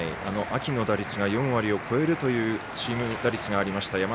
秋の打率が４割を超えるというチーム打率がありました